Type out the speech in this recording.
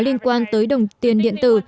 liên quan tới đồng tiền điện tử